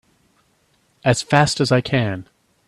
As fast as I can!